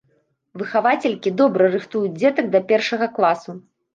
Выхавацелькі добра рыхтуюць дзетак да першага класу.